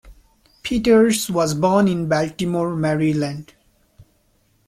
Peters was born in Baltimore, Maryland.